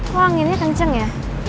kok anginnya kenceng ya